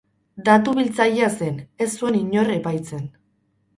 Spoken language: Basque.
Datu biltzailea zen, ez zuen inor epaitzen.